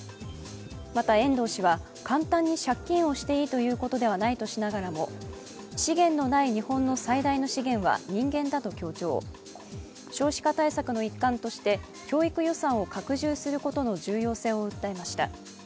また遠藤氏は簡単に借金をしていいということではないとしなからも資源のない日本の最大の資源は人間だと強調、少子化対策の一環として教育予算を拡充することの重要性を訴えました。